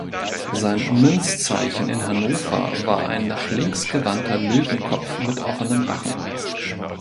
Sein Münzzeichen in Hannover war ein nach links gewandter Löwenkopf mit offenem Rachen.